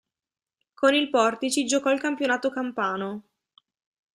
Con il Portici giocò il Campionato campano.